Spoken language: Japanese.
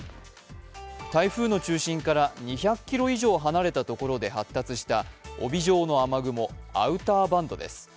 台風の中心から２００ｋｍ以上離れたところで発達した帯状の雨雲、アウターバンドです。